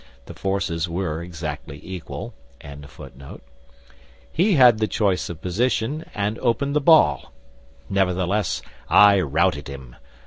The forces were exactly equal.]; he had the choice of position, and opened the ball. Nevertheless I routed him.